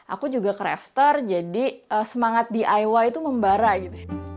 aku juga crafter jadi semangat diy itu membara gitu